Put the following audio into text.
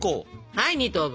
はい２等分！